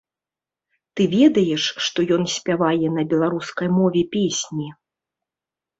Ты ведаеш, што ён спявае на беларускай мове песні?